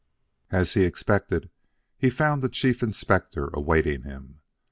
As he expected, he found the Chief Inspector awaiting him.